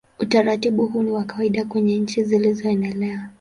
Utaratibu huu ni wa kawaida kwenye nchi zilizoendelea.